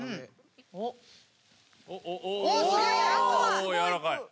おっおやわらかい！